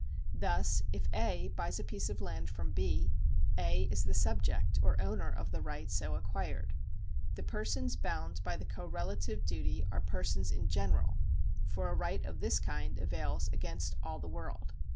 Thus if A. buys a piece of land from B., A. is the subject or owner of the right so acquired. The persons bound by the correlative duty are persons in general, for a right of this kind avails against all the world.